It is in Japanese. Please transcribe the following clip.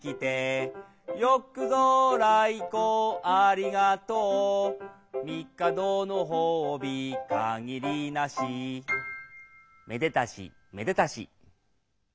「よくぞ頼光ありがとう」「みかどの褒美限りなし」めでたしめでたし。